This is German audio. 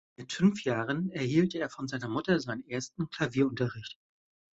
Mit fünf Jahren erhielt er von seiner Mutter seinen ersten Klavierunterricht.